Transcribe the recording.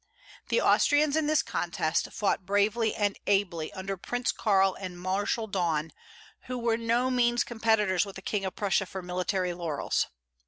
The Austrians, in this contest, fought bravely and ably, under Prince Carl and Marshal Daun, who were no mean competitors with the King of Prussia for military laurels.